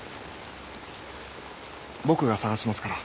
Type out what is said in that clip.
僕が捜しますから。